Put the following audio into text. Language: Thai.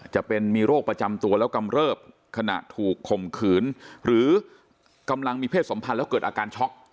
จะมีโรคประจำตัวแล้วกำเริบขณะถูกข่มขืนหรือกำลังมีเพศสมพันธ์แล้วเกิดอาการช็อก